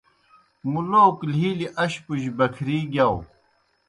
مُلوک لِھیلیْ اشپوْجیْ بکھری گِیاؤ۔